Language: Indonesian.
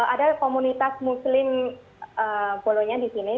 ada komunitas muslim bologna disini